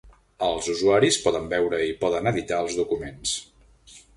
Els usuaris poden veure i poden editar els documents.